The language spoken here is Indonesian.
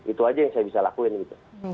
itu aja yang saya bisa lakuin gitu